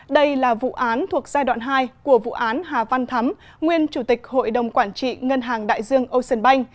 đây là vụ án thuộc giai đoạn hai của vụ án hà văn thắm nguyên chủ tịch hội đồng quản trị ngân hàng đại dương ocean bank